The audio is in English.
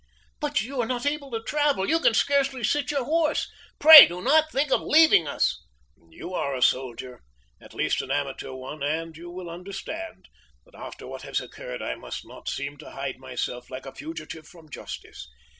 "But you are not able to travel you can scarcely sit your horse. Pray do not think of leaving us." "You are a soldier at least an amateur one, and you will understand that after what has occurred, I must not seem to hide myself like a fugitive from justice!